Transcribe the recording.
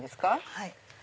はい。